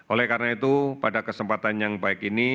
oleh karena itu pada kesempatan yang baik ini